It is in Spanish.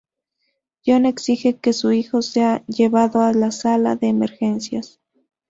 John exige que su hijo sea llevado a la sala de emergencias.